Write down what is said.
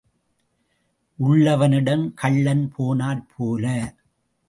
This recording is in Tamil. உள்ளவனிடம் கள்ளன் போனாற் போல.